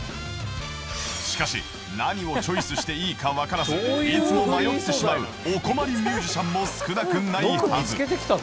しかし何をチョイスしていいかわからずいつも迷ってしまうお困りミュージシャンも少なくないはず